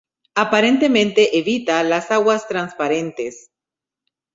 Aparentemente evita las aguas transparentes.